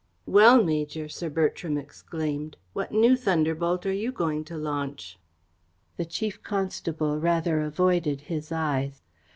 "Well, Major?" Sir Bertram exclaimed. "What new thunderbolt are you going to launch?" The Chief Constable rather avoided his eyes.